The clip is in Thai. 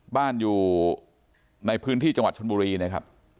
บ้านอยู่ในพื้นที่จังหวัดชนบุรีนะครับ